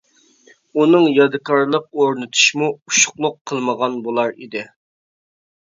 ئۇنىڭ يادىكارلىق ئورنىتىشمۇ ئوشۇقلۇق قىلمىغان بولار ئىدى.